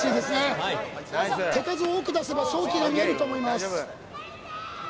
はい手数を多く出せば勝機が見えると思います